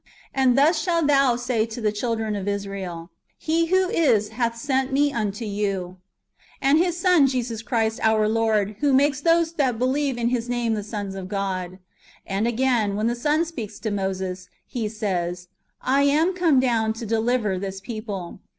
And thus shalt thou say to the children of Israel : He who is, hath sent me unto you ;"^ and His Son Jesus Christ our Lord, who makes those that believe in His name the sons of God. And again, when the Son speaks to Moses, He says, " I am come down to deliver this people."